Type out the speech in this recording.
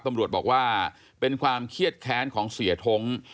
ตำรวจบอกว่าเป็นความเครียดแค้นของเสียท้ง